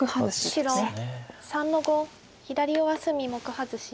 白３の五左上隅目外し。